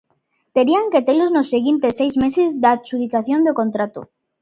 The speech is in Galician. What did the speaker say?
Terían que telos nos seguintes seis meses da adxudicación do contrato.